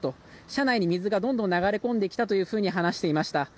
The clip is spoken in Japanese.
車内に水が、どんどん流れ込んできたというふうに話していました。